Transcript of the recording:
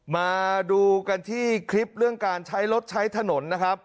มาดูกันที่คลิปเรื่องการใช้รถใช้ถนนนะครับ